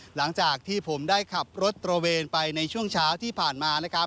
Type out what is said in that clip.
หลังจากที่ผมได้ขับรถตระเวนไปในช่วงเช้าที่ผ่านมานะครับ